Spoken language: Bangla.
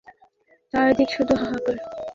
চারদিক শুধু হাহাকার।